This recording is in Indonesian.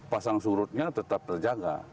pasang surutnya tetap terjaga